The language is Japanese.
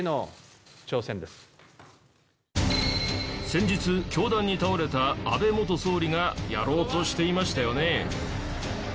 先日、凶弾に倒れた安倍元総理がやろうとしていましたよね。